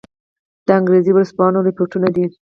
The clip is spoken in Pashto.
د انګرېزي ورځپاڼو رپوټونه دي.